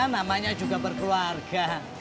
namanya juga berkeluarga